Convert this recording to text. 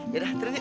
ya udah turun yuk